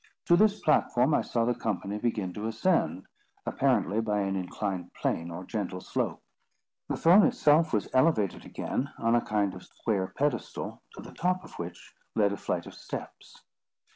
To this platform I saw the company begin to ascend, apparently by an inclined plane or gentle slope. The throne itself was elevated again, on a kind of square pedestal, to the top of which led a flight of steps.